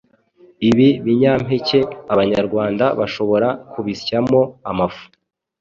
Ibi binyampeke Abanyarwanda bashobora kubisyamo amafu